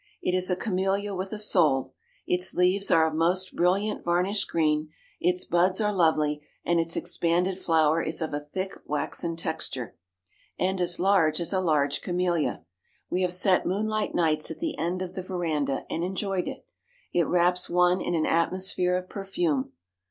It is a camellia with a soul! Its leaves are of most brilliant varnished green; its buds are lovely; and its expanded flower is of a thick, waxen texture, and as large as a large camellia. We have sat moonlight nights at the end of the veranda, and enjoyed it. It wraps one in an atmosphere of perfume.